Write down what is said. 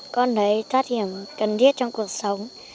con thấy thất hiểm cần thiết trong cuộc sống